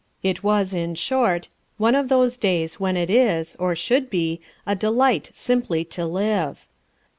It was, in short, one of those days when it is, or should be, a delight simply to live.